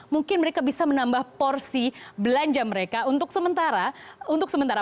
mungkin mereka bisa menambah porsi belanja mereka untuk sementara